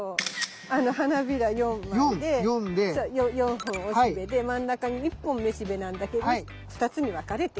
花びら４枚で４本雄しべで真ん中に１本雌しべなんだけど２つに分かれている。